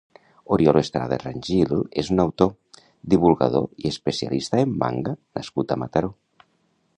Oriol Estrada Rangil és un autor, divulgador i especialista en manga nascut a Mataró.